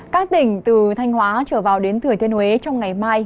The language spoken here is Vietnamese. các tỉnh từ thanh hóa trở vào đến thừa thiên huế trong ngày mai